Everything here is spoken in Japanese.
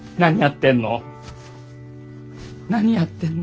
何やってんの？